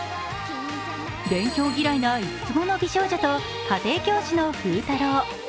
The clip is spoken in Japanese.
勉強嫌いな五つ子の美少女と家庭教師の風太郎。